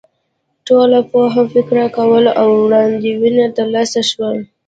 ټوله پوهه په فکر کولو او وړاندوینو تر لاسه شوې.